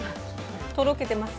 とろけてます？